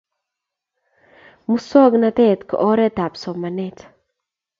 Musongnotet ko oret ab somanet